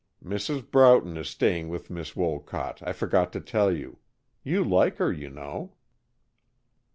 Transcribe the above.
"Mrs. Broughton is staying with Miss Wolcott, I forgot to tell you. You like her, you know."